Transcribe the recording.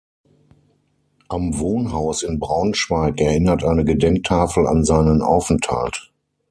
Am Wohnhaus in Braunschweig erinnert eine Gedenktafel an seinen Aufenthalt.